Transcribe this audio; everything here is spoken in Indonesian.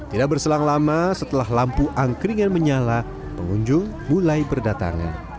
tidak berselang lama setelah lampu angkringan menyala pengunjung mulai berdatangan